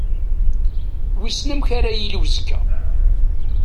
Wissen amek ara yili uzekka?